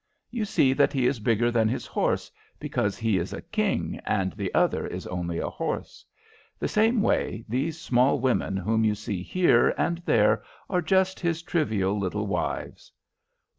You see that he is bigger than his horse, because he is a king and the other is only a horse. The same way, these small women whom you see here and there are just his trivial little wives."